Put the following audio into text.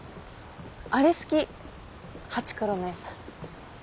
あれ好き『ハチクロ』のやつ。